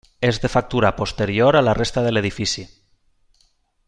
És de factura posterior a la resta de l'edifici.